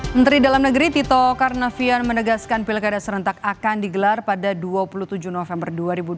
menteri dalam negeri tito karnavian menegaskan pilkada serentak akan digelar pada dua puluh tujuh november dua ribu dua puluh